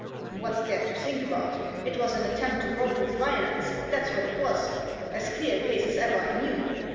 " What's there to think about ? It was an attempt to rob with violence, that's what it was ; as clear a case as ever I knew.